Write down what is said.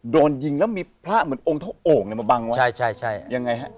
โดนยิงแล้วมีพระเหมือนองค์เท่าโอ่งเนี่ยมาบังไว้ใช่ใช่ยังไงฮะ